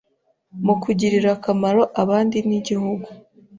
mu kugirira akamaro abandi n’Igihugu